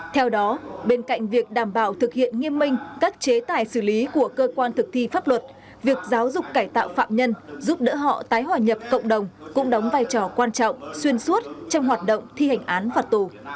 theo đó bên cạnh việc đảm bảo thực hiện nghiêm minh các chế tài xử lý của cơ quan thực thi pháp luật việc giáo dục cải tạo phạm nhân giúp đỡ họ tái hòa nhập cộng đồng cũng đóng vai trò quan trọng xuyên suốt trong hoạt động thi hành án phạt tù